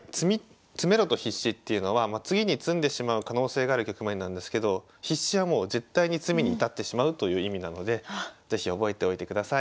詰めろと必至っていうのは次に詰んでしまう可能性がある局面なんですけど必至はもう絶対に詰みに至ってしまうという意味なので是非覚えておいてください。